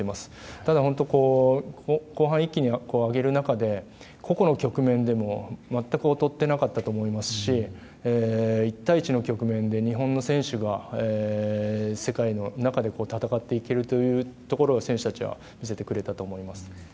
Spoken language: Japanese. ただ、後半一気に上げる中で個々の局面でも全く劣ってなかったと思いますし１対１の局面で日本の選手が世界の中で戦っていけるというところを選手たちは見せてくれたと思います。